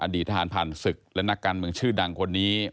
ทหารผ่านศึกและนักการเมืองชื่อดังคนนี้